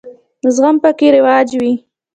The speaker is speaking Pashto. زغم پکې رواج وي.